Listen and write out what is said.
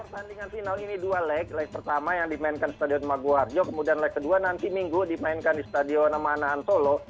pertandingan final ini dua lag lag pertama yang dimainkan stadion maguwarjo kemudian lag kedua nanti minggu dimainkan di stadion manaantolo